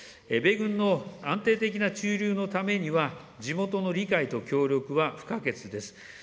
米軍の安定的な駐留のためには、地元の理解と協力は不可欠です。